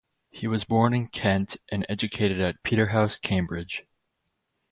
He was born in Kent and educated at Peterhouse, Cambridge.